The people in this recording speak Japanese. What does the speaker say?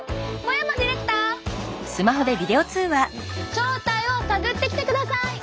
正体を探ってきてください！